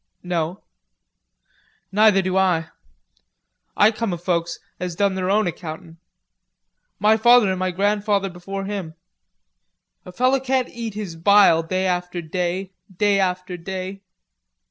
"No." "Neither do I. I come of folks as done their own accountin'. My father an' my gran'father before him. A feller can't eat his bile day after day, day after day."